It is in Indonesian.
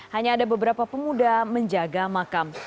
hanya ada beberapa pemuda menjaga makam